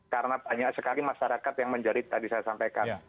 karena banyak sekali masyarakat yang menjerit tadi saya sampaikan